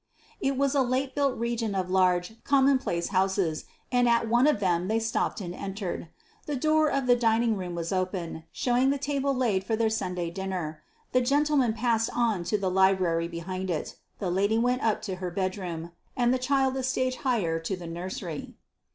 It was a late built region of large, common place houses, and at one of them they stopped and entered. The door of the dining room was open, showing the table laid for their Sunday dinner. The gentleman passed on to the library behind it, the lady went up to her bedroom, and the child a stage higher to the nursery.